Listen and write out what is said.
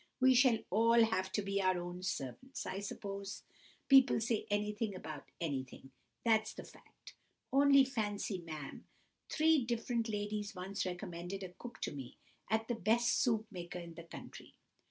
We shall all have to be our own servants, I suppose. People say anything about anything, that's the fact! Only fancy, ma'am, three different ladies once recommended a cook to me as the best soup maker in the country.